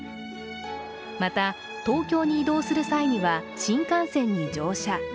また、東京に移動する際には新幹線に乗車。